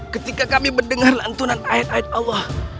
ketika kami mendengar lantunan ayat ayat allah